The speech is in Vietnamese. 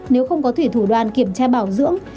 nếu không có thủy thủ đoàn kiểm tra bảo dưỡng